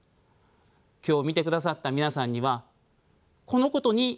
今日見てくださった皆さんにはこのことに気が付いてほしいと思います。